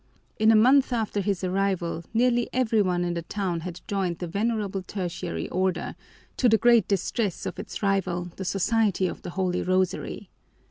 In a month after his arrival nearly every one in the town had joined the Venerable Tertiary Order, to the great distress of its rival, the Society of the Holy Rosary.